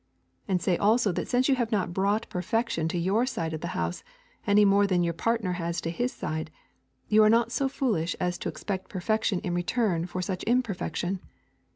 And say also that since you have not brought perfection to your side of the house any more than your partner has to his side, you are not so foolish as to expect perfection in return for such imperfection.